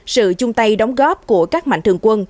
sự chung tay đóng góp của các mạnh thường quân